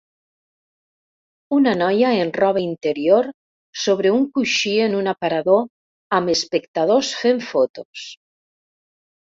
Una noia en roba interior sobre un coixí en un aparador amb espectadors fent fotos.